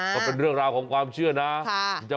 ก็เป็นเรื่องราวของความเชื่อนะ